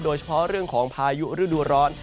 โดยเฉพาะเรื่องของพายุฤดูร้อน